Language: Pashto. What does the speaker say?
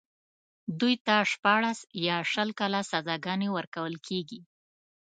دوی ته شپاړس يا شل کاله سزاګانې ورکول کېږي.